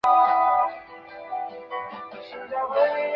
佛理碘泡虫为碘泡科碘泡虫属的动物。